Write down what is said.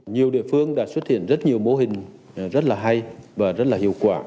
nhiều địa phương đã xuất hiện rất nhiều mô hình rất là hay và rất là hiệu quả